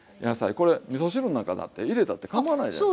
これみそ汁の中だって入れたってかまわないじゃない。